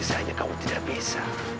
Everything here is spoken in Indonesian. saya tidak bisa